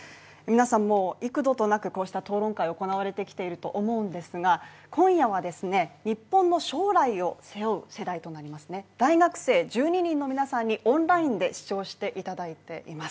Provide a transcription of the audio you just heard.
皆さんも幾度となくこうした討論会は行われてきていると思うんですが今夜はですね日本の将来を背負う世代となります大学生１２人の皆さんにオンラインで視聴していただいています